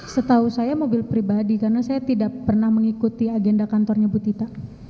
setahu saya mobil pribadi karena saya tidak pernah mengikuti agenda kantornya bu tita